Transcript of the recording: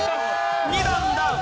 ２段ダウン！